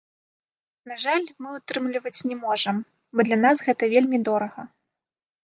На жаль, мы ўтрымліваць не можам, бо для нас гэта вельмі дорага.